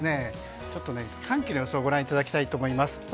ちょっと寒気の予想をご覧いただきたいと思います。